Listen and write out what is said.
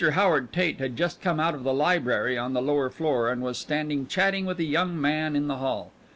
Howard Tate had just come out of the library on the lower floor, and was standing chatting with a young man in the hall.